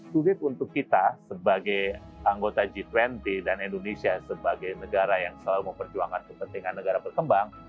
sulit untuk kita sebagai anggota g dua puluh dan indonesia sebagai negara yang selalu memperjuangkan kepentingan negara berkembang